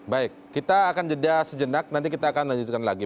baik kita akan jeda sejenak nanti kita akan lanjutkan lagi